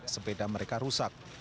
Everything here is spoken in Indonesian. sepeda mereka rusak